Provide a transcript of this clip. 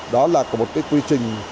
đó là một quy định